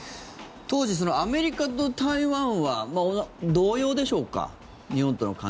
当時、アメリカと台湾は同様でしょうか？